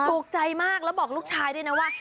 ถูกใจมากแล้วบอกลูกชายด้วยนะว่า